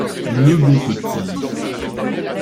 Le bon petit!